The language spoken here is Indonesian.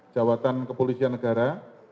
jawatan kepolisian negara